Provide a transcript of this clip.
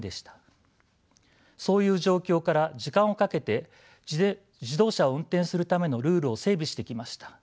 そういう状況から時間をかけて自動車を運転するためのルールを整備してきました。